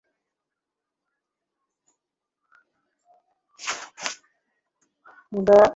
দরজা লাগিয়ে দে!